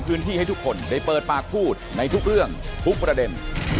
ให้ทุกคนได้เปิดปากพูดในทุกเรื่องทุกประเด็น